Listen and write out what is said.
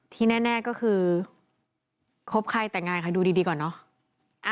ที่แน่ก็คือคบใครแต่งงานค่ะดูดีก่อนเนอะ